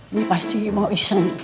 ini pasti mau iseng